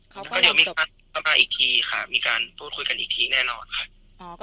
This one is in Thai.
ก็เดี๋ยวมีการพูดคุยกันอีกทีค่ะมีการพูดคุยกันอีกทีแน่นอนค่ะ